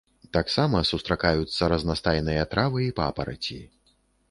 Таксама сустракаюцца разнастайныя травы і папараці.